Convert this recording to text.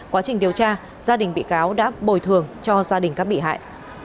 quá trình điều tra gia đình bị cáo đã bồi thường cho gia đình các bị hại